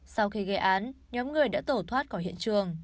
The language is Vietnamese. sau khi gây án nhóm người đã tổ thoát khỏi hiện trường